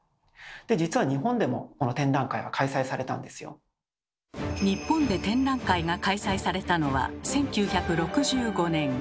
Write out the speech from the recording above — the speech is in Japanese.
実は日本で展覧会が開催されたのは１９６５年。